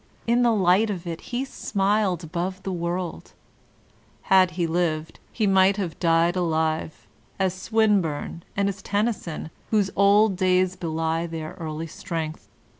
In the light of it, he smiled above the world; had he lived, he might have died alive, as Swin burne and as Tennyson whose old days belie their early strength.